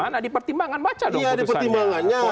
nah di pertimbangan baca dong putusannya